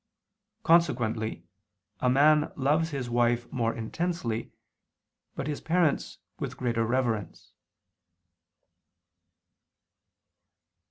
Consequently a man loves his wife more intensely, but his parents with greater reverence.